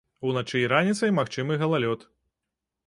Уначы і раніцай магчымы галалёд.